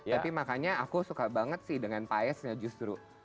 tapi makanya aku suka banget sih dengan paesnya justru